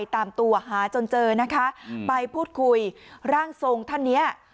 ตามตัวหาจนเจอนะคะไปพูดคุยร่างทรงท่านเนี้ย